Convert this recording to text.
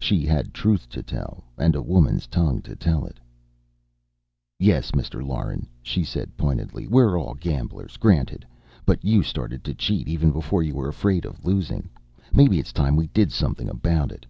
She had truth to tell, and a woman's tongue to tell it. "Yes, Mr. Lauren," she said pointedly. "We're all gamblers. Granted. But you started to cheat even before you were afraid of losing. Maybe it's time we did something about it."